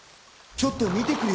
ちょっと見てくるよ。